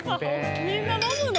みんな飲むの？